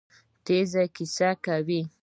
تیږې کیسې کوي.